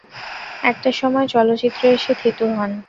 একটা সময় চলচ্চিত্রে এসে থিতু হন।